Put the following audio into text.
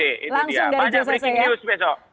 itu dia baca breaking news besok